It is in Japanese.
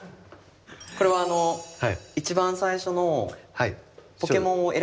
これはあの一番最初のポケモンを選ぶ。